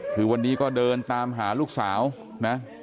คือวันนี้ก็เดินตามหาลูกสาวนะ